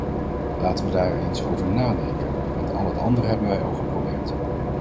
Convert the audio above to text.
Laten wij daar eens over nadenken, want al het andere hebben wij al uitgeprobeerd.